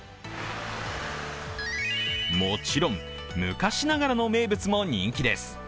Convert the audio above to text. もちろん、昔ながらの名物も人気です。